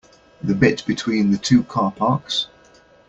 The bit between the two car parks?